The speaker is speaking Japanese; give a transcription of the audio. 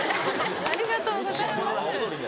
ありがとうございます。